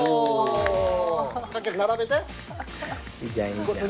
翔並べて。